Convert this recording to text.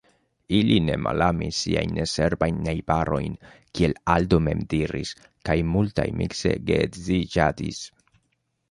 Ili ne malamis siajn neserbajn najbarojn, kiel Aldo mem diris, kaj multaj mikse geedziĝadis.